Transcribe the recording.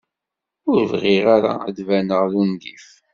Ur bɣiɣ ara ad d-baneɣ d ungif.